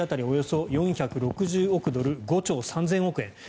およそ４６０億ドル５兆３０００億円。